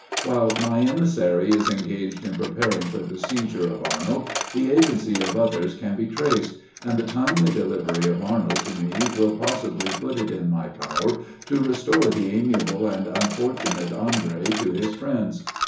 While my emissary is engaged in preparing for the seizure of Arnold, the agency of others can be traced; and the timely delivery of Arnold to me, will possibly put it in my power to restore the amiable and unfortunate Andre to his friends.